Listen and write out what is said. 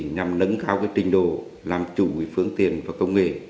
nhằm nâng cao trình độ làm chủ phương tiện và công nghệ